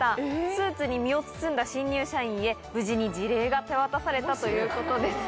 スーツに身を包んだ新入社員へ、無事に辞令が手渡されたということです。